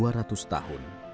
selama dua ratus tahun